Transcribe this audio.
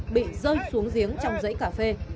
bị rơi xuống giếng trong giấy cà phê